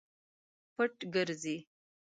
پټ ګرځي.